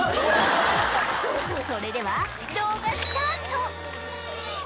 それでは動画スタート！